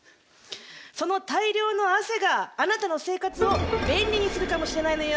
その大量の汗があなたの生活を便利にするかもしれないのよ。